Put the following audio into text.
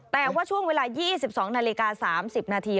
แต่ว่าช่วงเวลา๒๒นาฬิกา๓๐นาที